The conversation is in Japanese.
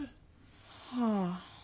はあ。